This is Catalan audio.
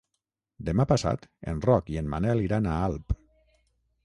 Demà passat en Roc i en Manel iran a Alp.